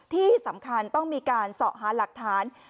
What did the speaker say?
ที่สำคัญต้องมีการเสาะหาหลักฐาน